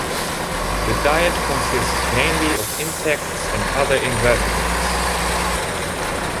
The diet consists mainly of insects and other invertebrates.